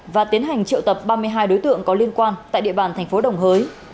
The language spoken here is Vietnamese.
và tiến hành triệu tập ba mươi hai đối tượng có liên quan tại địa bàn thành phố đồng hới